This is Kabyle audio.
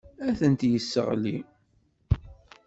Ad tent-yesseɣli.